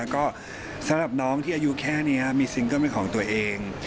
ก็สำหรับน้องที่อายุแค่นี้มีซิงเกิ้ลเป็นของตัวเอง